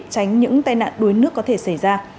tránh những tai nạn đuối nước có thể xảy ra